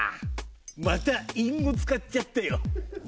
また隠語使っちゃったよ。